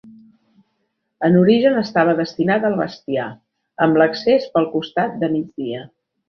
En origen estava destinat al bestiar, amb l'accés pel costat de migdia.